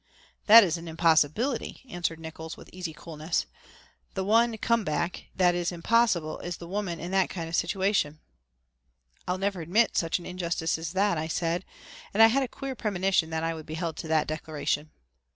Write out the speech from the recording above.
"That is an impossibility," answered Nickols with easy coolness. "The one 'come back' that is impossible is the woman in that kind of a situation." "I'll never admit such an injustice as that," I said, and I had a queer premonition that I would be held to that declaration.